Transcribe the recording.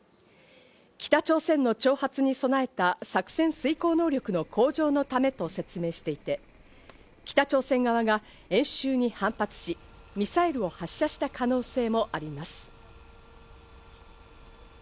北朝鮮の挑発に備えた作戦遂行能力の向上のためと説明していて、北朝鮮側が演習に反発し、ミサイルを発射した可能性もあります。